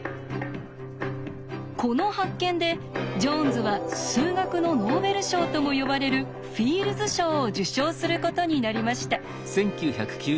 この発見でジョーンズは数学のノーベル賞とも呼ばれるフィールズ賞を受賞することになりました。